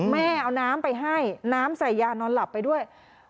แม่เอาน้ำไปให้น้ำใส่ยานอนหลับไปด้วย